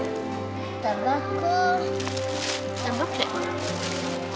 たばこ。